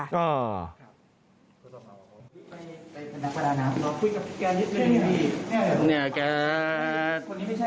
นี่แก